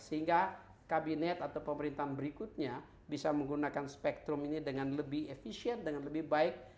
sehingga kabinet atau pemerintahan berikutnya bisa menggunakan spektrum ini dengan lebih efisien dengan lebih baik